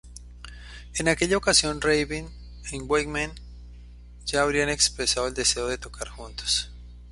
En aquella ocasión, Rabin y Wakeman ya habrían expresado el deseo de tocar juntos.